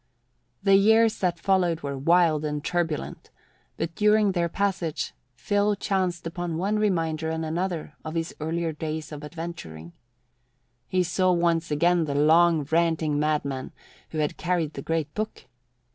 The years that followed were wild and turbulent, but during their passage Phil chanced upon one reminder and another of his earlier days of adventuring. He saw once again the long, ranting madman who had carried the great book.